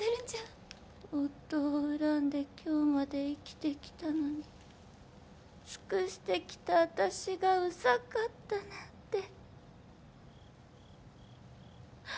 夫を恨んで今日まで生きてきたのに尽くしてきた私がうざかったなんて。